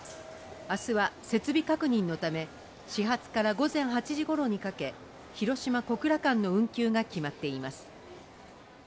明日は設備確認のため始発から午前８時ごろにかけ広島‐小倉間の運休が決まっています